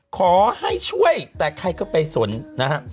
ขอให้ช่วยแต่ใครก็ไปส่วนนะฮะ